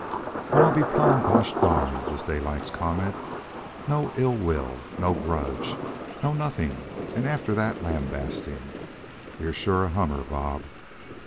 "Well, I'll be plumb gosh darned!" was Daylight's comment. "No ill will, no grudge, no nothing and after that lambasting! You're sure a hummer, Bob."